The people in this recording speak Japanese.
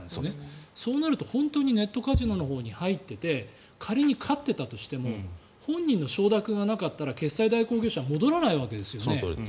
そうなると本当にネットカジノのところに返っていて仮に勝っていたとしても本人の承諾がなかったら決済代行業者に戻らないわけですよね。